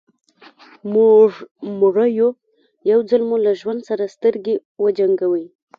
موږ مړه يو يو ځل مو له ژوند سره سترګې وجنګوئ.